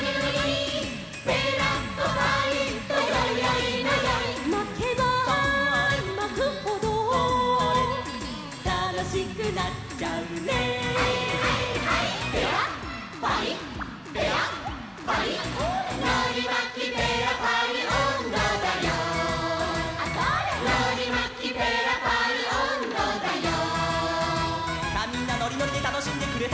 みんなのりのりでたのしんでくれたかな？